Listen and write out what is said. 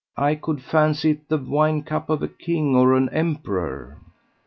I could fancy it the wine cup of a king or an emperor."